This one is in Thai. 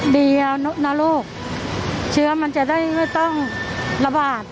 เดียวนะโรคเชื้อมันจะได้ไม่ต้องระบาด